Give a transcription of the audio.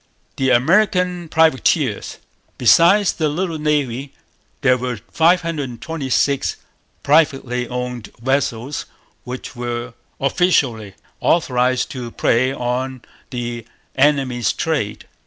The American Privateers. Besides the little Navy, there were 526 privately owned vessels which were officially authorized to prey on the enemy's trade.